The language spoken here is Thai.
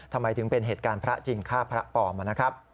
ทำไมถึงเป็นเหตุการณ์พระจริงฆ่าพระปลอมนะครับ